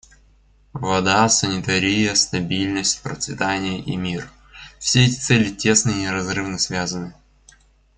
Вода, санитария, стабильность, процветание и мир — все эти цели тесно и неразрывно связаны.